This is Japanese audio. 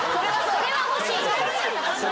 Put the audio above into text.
それは欲しい。